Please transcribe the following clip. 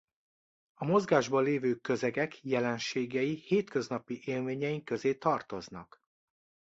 A mozgásban lévő közegek jelenségei hétköznapi élményeink közé tartoznak.